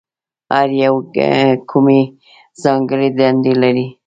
هر یو یې کومې ځانګړې دندې لري؟